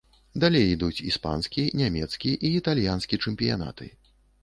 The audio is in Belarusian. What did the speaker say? Далей ідуць іспанскі, нямецкі і італьянскі чэмпіянаты.